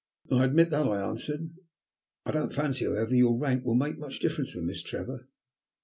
"I admit that," I answered. "I don't fancy, however, your rank will make much difference with Miss Trevor.